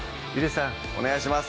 お願いします